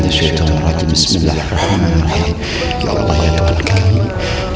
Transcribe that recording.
pak ustad jelasannya berat sekali pak ustad